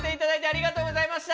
ありがとうございます。